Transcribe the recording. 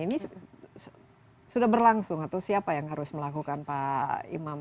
ini sudah berlangsung atau siapa yang harus melakukan pak imam